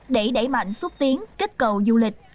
để đẩy mạnh xúc tiến kích cầu du lịch